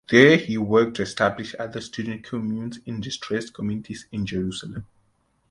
There he worked to establish other student communes in distressed communities in Jerusalem.